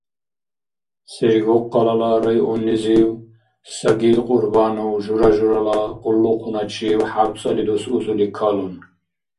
Сергокъалала районнизив Сагид Кьурбанов жура-журала къуллукъуначив хӀябцӀали дус узули калун.